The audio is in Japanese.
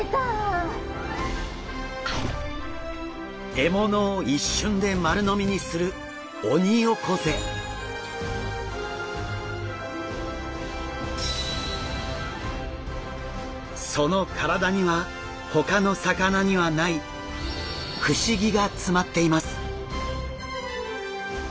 獲物を一瞬で丸飲みにするその体にはほかの魚にはない不思議が詰まっています。